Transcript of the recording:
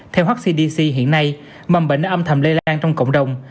theo hcdc hiện nay mầm bệnh đã âm thầm lây lan trong cộng đồng